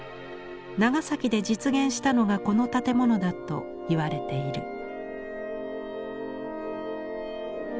長崎で実現したのがこの建物だといわれている。